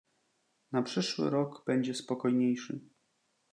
"Na przyszły rok będzie spokojniejszy."